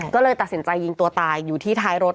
ก็เลยตัดสินใจยิงตัวตายอยู่ที่ท้ายรถ